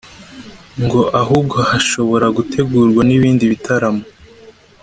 ngo ahubwo hashobora gutegurwa n’ibindi bitaramo